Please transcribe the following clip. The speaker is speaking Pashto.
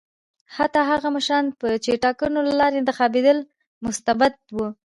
حتی هغه مشران چې ټاکنو له لارې انتخابېدل مستبد وو.